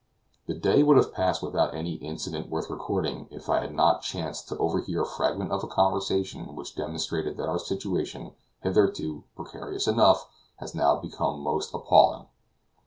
The day would have passed without any incident worth recording, if I had not chanced to overhear a fragment of a conversation which demonstrated that our situation, hitherto precarious enough, had now become most appalling.